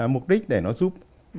mục đích để nó giúp